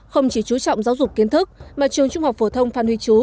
không chỉ chú trọng giáo dục kiến thức mà trường trung học phổ thông phan huy chú